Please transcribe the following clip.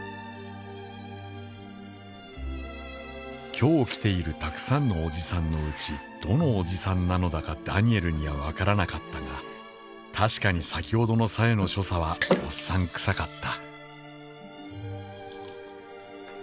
「今日来ているたくさんのおじさんのうちどのおじさんなのだかダニエルにはわからなかったが、たしかに先ほどの紗重の所作はおっさんくさかった」。